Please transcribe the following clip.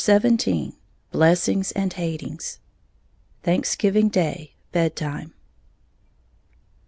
XVII BLESSINGS AND HATINGS _Thanksgiving Day, Bed time.